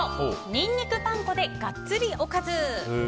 ニンニクパン粉でガッツリおかず。